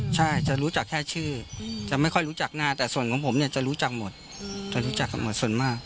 ใช่จะรู้จักแค่ชื่อจะไม่ค่อยรู้จักหน้าแต่ส่วนของผมเนี่ยจะรู้จักหมดจะรู้จักกันหมดส่วนมาก